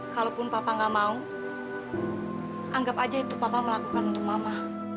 kalaupun papa gak mau anggap aja itu papa melakukan untuk mama